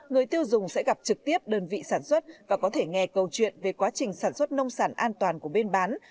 người tiêu dùng sẽ gặp trực tiếp đơn vị sản xuất và có thể nghe câu chuyện về quá trình sản xuất nông sản an toàn của bên bán